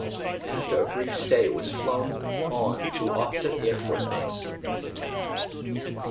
After a brief stay it was flown on to Offutt Air Force Base.